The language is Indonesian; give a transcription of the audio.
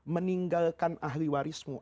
meninggalkan ahli warismu